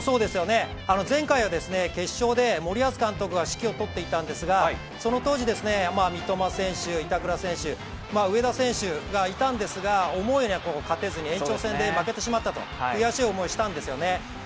前回は決勝で森保監督が指揮をとっていたんですが、その当時、三笘選手、板倉選手、上田選手がいたんですが思うようには勝てずに延長戦で負けてしまった、悔しい思いをしたんですよね。